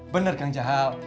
bener kang jahal